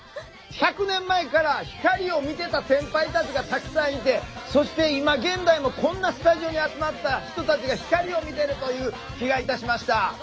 １００年前から光を見てた先輩たちがたくさんいてそして今現代もこんなスタジオに集まった人たちが光を見てるという気がいたしました。